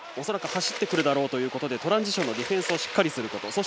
恐らく走ってくるだろうということでトランジションのディフェンスをしっかりすること。